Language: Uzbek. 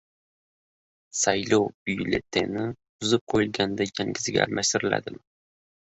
Saylov byulleteni buzib qo‘yilganda yangisiga almashtiriladimi?